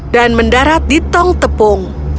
dan mendarat di tengah